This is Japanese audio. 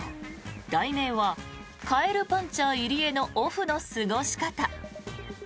題名は「カエルパンチャー入江のオフの過ごし方」。